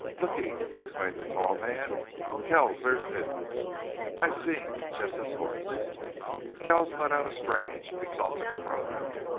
"Blicky!" exclaimed the tall man. "Kells, there's news. I seen Jesse's hoss." Kells let out a strange, exultant cry.